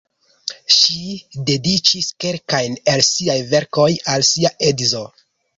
Ŝi dediĉis kelkajn el siaj verkoj al sia edzo.